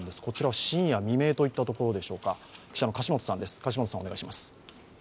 こちらは深夜未明といったところでしょうか。